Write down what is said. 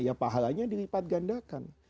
ya pahalanya dilipat gandakan